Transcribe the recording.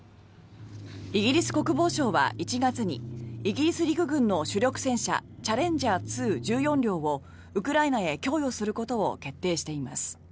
イギリス国防省は１月にイギリス陸軍の主力戦車チャレンジャー２、１４両をウクライナへ供与することを決定しています。